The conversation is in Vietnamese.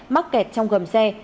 mắc kẹt trong gầm xe